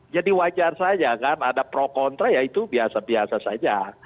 jadi wajar saja kan ada pro kontra ya itu biasa biasa saja